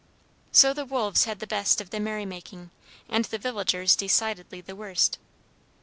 So the wolves had the best of the merrymaking, and the villagers decidedly the worst.